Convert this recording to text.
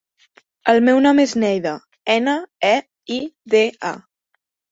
El meu nom és Neida: ena, e, i, de, a.